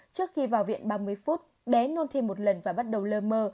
trước khi vào viện ba mươi phút bé nôn thi một lần và bắt đầu lơ mơ